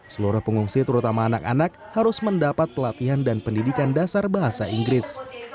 seluruh pengungsi terutama anak anak harus mendapat pelatihan dan pendidikan dasar bahasa inggris